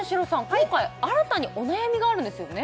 今回新たにお悩みがあるんですよね？